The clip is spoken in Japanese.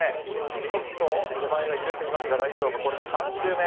ちょっと手前が揺れていますが大丈夫、これで３周目。